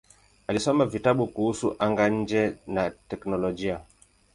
Alisoma vitabu kuhusu anga-nje na teknolojia.